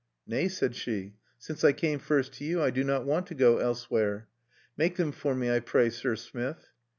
"Nay," said she, "since I came first to you, I do not want to go elsewhere. Make them for me, I pray, sir smith."